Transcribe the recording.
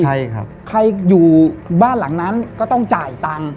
ใช่ครับใครอยู่บ้านหลังนั้นก็ต้องจ่ายตังค์